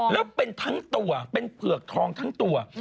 แล้วเป็นทั้งตัวเป็นเผือกทองทั้งตัว